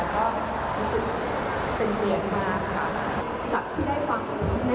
ก็รู้สึกเป็นเรียนมากครับ